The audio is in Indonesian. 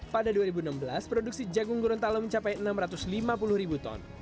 pada dua ribu enam belas produksi jagung gorontalo mencapai enam ratus lima puluh ribu ton